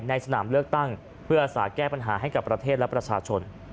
ในสนามเลือกตั้งเพื่ออาสาแก้ปัญหาให้กับประเทศและประชาชน